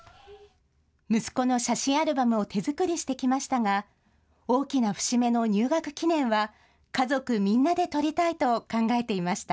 息子の写真アルバムを手作りしてきましたが大きな節目の入学記念は家族みんなで撮りたいと考えていました。